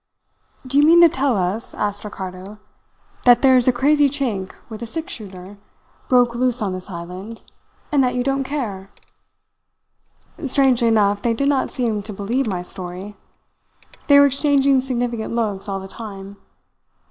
"'Do you mean to tell us,' asked Ricardo, 'that there is a crazy Chink with a six shooter broke loose on this island, and that you don't care?' "Strangely enough they did not seem to believe my story. They were exchanging significant looks all the time.